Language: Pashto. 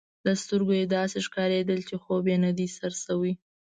له سترګو يې داسي ښکارېدل، چي خوب یې نه دی سر شوی.